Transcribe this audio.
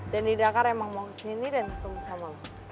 dhani dakar emang mau kesini dan ketemu sama lo